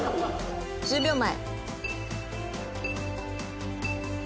１０秒前。